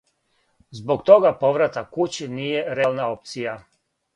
Због тога повратак кући није реална опција.